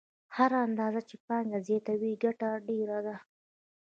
هره اندازه چې پانګه زیاته وي ګټه ډېره ده